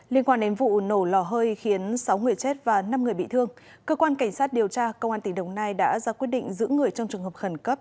liên quan đến vụ nổ lò hơi khiến sáu người chết và năm người bị thương cơ quan cảnh sát điều tra công an tỉnh đồng nai đã ra quyết định giữ người trong trường hợp khẩn cấp